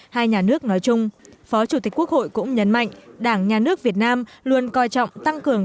hai nhà nước nói chung phó chủ tịch quốc hội cũng nhấn mạnh đảng nhà nước việt nam luôn coi trọng tăng cường